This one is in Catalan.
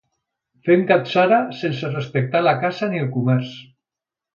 Fent gatzara, sense respectar la Casa, ni el comerç